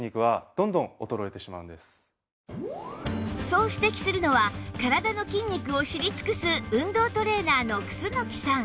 そう指摘するのは体の筋肉を知り尽くす運動トレーナーの楠さん